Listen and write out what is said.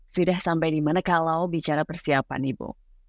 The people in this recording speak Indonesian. sudah sampai di mana kalau bicara persiapan ibu